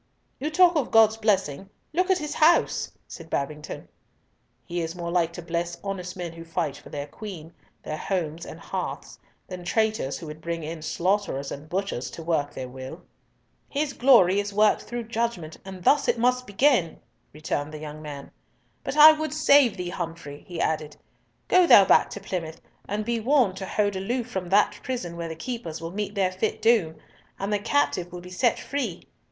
"You talk of God's blessing. Look at His House," said Babington. "He is more like to bless honest men who fight for their Queen, their homes and hearths, than traitors who would bring in slaughterers and butchers to work their will!" "His glory is worked through judgment, and thus must it begin!" returned the young man. "But I would save thee, Humfrey," he added. "Go thou back to Plymouth, and be warned to hold aloof from that prison where the keepers will meet their fit doom! and the captive will be set free.